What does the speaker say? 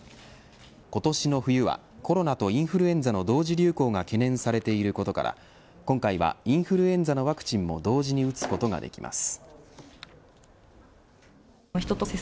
今年の冬はコロナとインフルエンザの同時流行が懸念されていることから今回はインフルエンザのワクチンも同時に打つことができます。